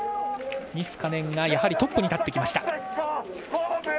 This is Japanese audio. ニスカネンがトップに立ってきました。